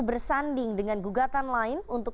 bersanding dengan gugatan lain untuk